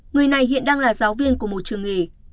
người này hiện đang là giáo viên của một trường nghề